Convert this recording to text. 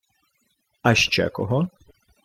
— А ще кого?